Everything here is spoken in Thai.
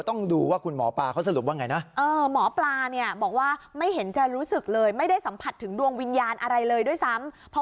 พอออกมาหมอนสงสมัยยำว่าไม่ใช่ภีร์ปบ